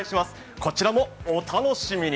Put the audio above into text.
こちらもお楽しみに。